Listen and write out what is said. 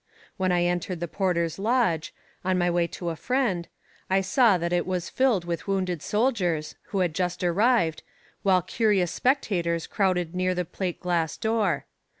When I entered the porter's lodge, on my way to a friend, I saw that it was filled with wounded soldiers, who had just arrived, while curious spectators crowded near the plate glass door.